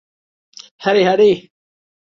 Harry, Harry.